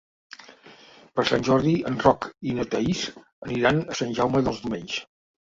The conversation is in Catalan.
Per Sant Jordi en Roc i na Thaís aniran a Sant Jaume dels Domenys.